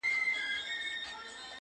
د بې عقلانو جواب پټه خوله دئ.